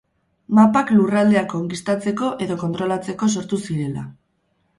Mapak lurraldeak konkistatzeko edo kontrolatzeko sortu zirela.